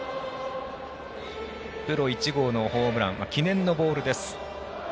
プロ１号のホームラン記念のボールです。